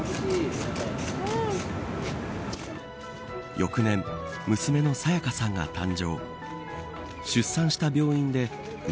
翌年、娘の沙也加さんが誕生。